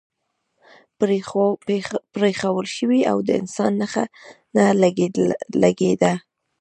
پرېښوول شوی و او د انسان نښه نه لګېده.